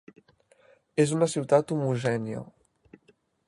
És una ciutat homogènia.